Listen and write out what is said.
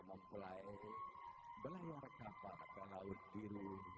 mempelai belayar kapal ke laut biru